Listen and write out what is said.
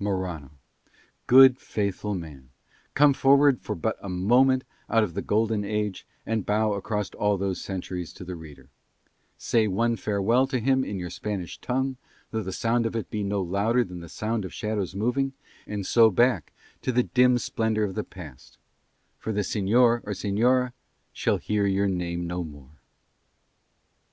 Morano, good, faithful man, come forward for but a moment out of the Golden Age and bow across all those centuries to the reader: say one farewell to him in your Spanish tongue, though the sound of it be no louder than the sound of shadows moving, and so back to the dim splendour of the past, for the Señor or Señora shall hear your name no more.